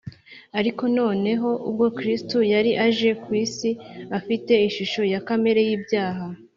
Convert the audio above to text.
; ariko noneho ubwo Kristo yari aje kw’isi “afite ishusho ya kamere y’ibyaha